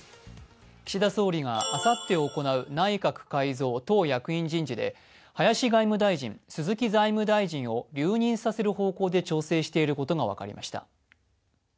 岸田総理があさって行う内閣改造・党役員人事で林外務大臣、鈴木財務大臣を留任させる方向で調整していることが分かりました。